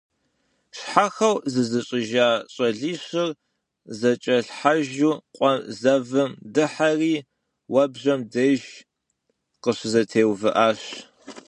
Щхьэхуэ зызыщIыжа щIалищыр зэкIэлъхьэужьу къуэ зэвым дыхьэри «Iуэбжэм» деж къыщызэтеувыIащ.